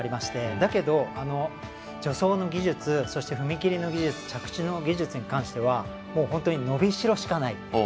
だけど助走の技術そして、踏み切りの技術着地の技術に関しては伸びしろしかない。